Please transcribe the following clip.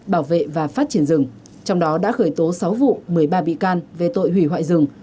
bảo vệ và phát triển rừng trong đó đã khởi tố sáu vụ một mươi ba bị can về tội hủy hoại rừng